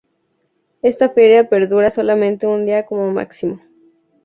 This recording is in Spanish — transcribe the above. Esta feria perdura solamente un día como máximo.